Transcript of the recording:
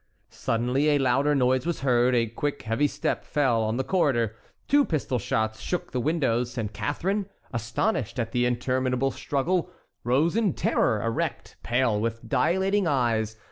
Suddenly a louder noise was heard; a quick, heavy step fell on the corridor, two pistol shots shook the windows; and Catharine, astonished at the interminable struggle, rose in terror, erect, pale, with dilating eyes.